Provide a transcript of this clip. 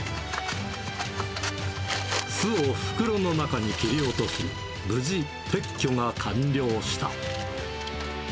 巣を袋の中に切り落とし、無事、撤去が完了した。